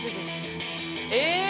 え！